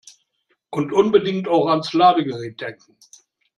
Und unbedingt auch ans Ladegerät denken!